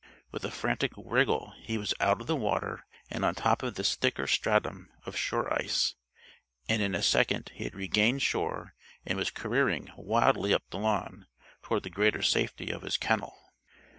With a frantic wriggle he was out of the water and on top of this thicker stratum of shore ice, and in a second he had regained shore and was careering wildly up the lawn toward the greater safety of his kennel.